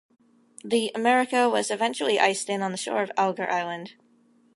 The "America" was eventually iced in on the shore of Alger Island.